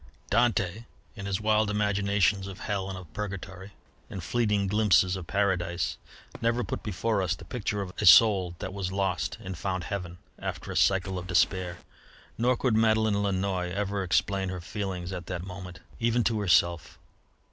Dante, in his wild imaginations of hell and of purgatory and fleeting glimpses of paradise, never put before us the picture of a soul that was lost and found heaven, after a cycle of despair. Nor could Madeleine Lannoy ever explain her feelings at that moment, even to herself.